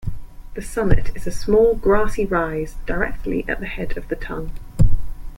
The summit is a small grassy rise directly at the head of The Tongue.